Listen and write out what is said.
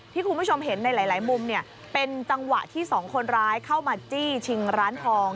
คุณผู้ชมเห็นในหลายมุมเนี่ยเป็นจังหวะที่สองคนร้ายเข้ามาจี้ชิงร้านทอง